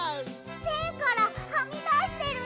せんからはみだしてるよ！